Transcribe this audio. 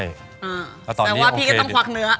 แต่ว่าพี่ก็ต้องควักเนื้อ